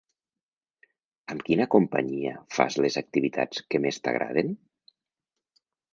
Amb quina companyia fas les activitats que més t'agraden?